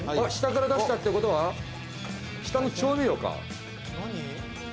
下から出したってことは下の調味料か。